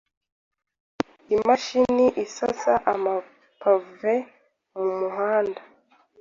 Imashini isasa amapave mu muhanda